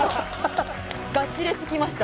ガチレスきました。